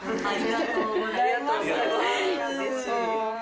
ありがとうございます。